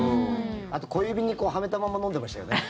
あと、小指にはめたまま飲んでましたよね。